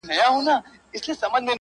o چي غل نه تښتي مل دي وتښتي.